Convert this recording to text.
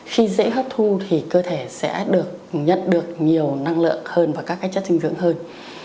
khi dễ hấp thu thì cơ thể sẽ được nhận được nhiều năng lượng hơn và các chất dinh dưỡng hơn